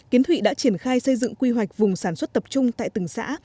kiến thụy đã triển khai xây dựng quy hoạch vùng sản xuất tập trung tại từng xã